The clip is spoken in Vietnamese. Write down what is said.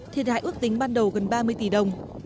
thiệt hại ước tính ban đầu gần ba mươi tỷ đồng